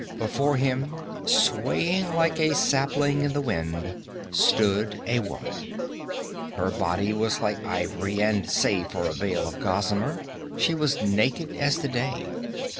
Before him, swaying like a sapling in the wind, stood a woman. Her body was like ivory, and save for a veil of gossamer, she was naked as the day.